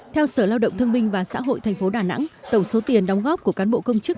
theo sở lao động thương minh và xã hội tp đà nẵng tổng số tiền đóng góp của cán bộ công chức